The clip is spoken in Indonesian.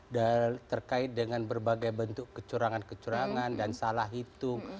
dan terkait dengan berbagai bentuk kecurangan kecurangan dan salah hitung